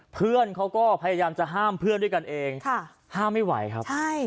เพื่อนเขาก็พยายามจะห้ามเพื่อนด้วยกันเองห้ามไม่ไหวครับใช่